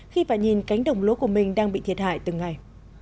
khi phải nhìn cánh đồng lúa của mình đang bị thiệt hại từng ngày